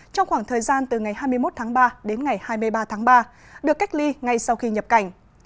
trong khoảng thời gian từ ngày hai mươi một tháng ba đến ngày hai mươi ba tháng ba được cách ly ngay sau khi nhập cảnh